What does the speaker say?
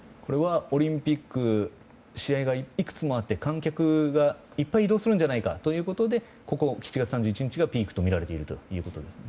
オリンピックは試合がいくつもあって、観客がいっぱい移動するんじゃないかというところで７月３１日がピークとみられていますね。